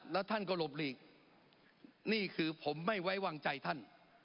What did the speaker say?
แล้วท่านก็หลบหลีกนี่คือผมไม่ไว้วางใจท่าน